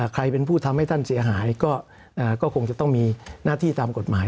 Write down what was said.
ใครเป็นผู้ทำให้ท่านเสียหายก็คงจะต้องมีหน้าที่ตามกฎหมาย